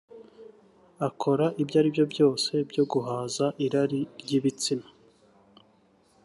akora ibyo ari byo byose byo guhaza irari ry’ibitsina